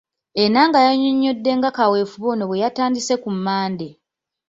Enanga yannyonnyodde nga kaweefube ono bwe yatandise ku Mmande.